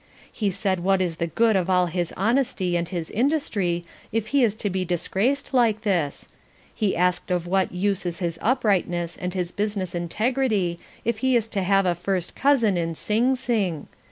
He said what is the good of all his honesty and his industry if he is to be disgraced like this: he asked of what use is his uprightness and business integrity if he is to have a first cousin in Sing Sing.